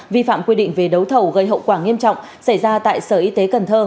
vi phạm quy định về đấu thầu gây hậu quả nghiêm trọng xảy ra tại sở y tế cần thơ